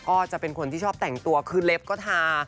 ก็จะเป็นคนที่ชอบแต่งตัวคือเล็บก็ทา